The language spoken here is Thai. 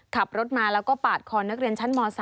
ขับรถมาแล้วก็ปาดคอนักเรียนชั้นม๓